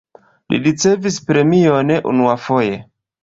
Li ricevis premion unuafoje.